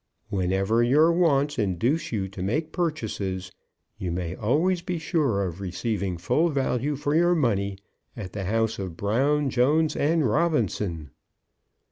Whenever your wants induce you to make purchases, you may always be sure of receiving full value for your money at the house of Brown, Jones, and Robinson."